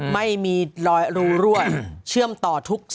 ไม่มีลู่เชื่อมต่อทุกเส้นทาง